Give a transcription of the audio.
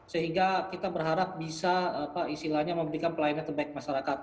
sehingga kita berharap bisa memberikan pelayanan terbaik masyarakat